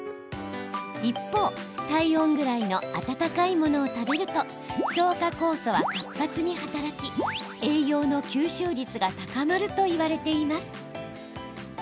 一方、体温ぐらいの温かいものを食べると消化酵素は活発に働き栄養の吸収率が高まるといわれています。